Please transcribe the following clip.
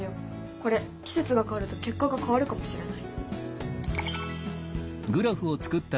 これ季節が変わると結果が変わるかもしれない。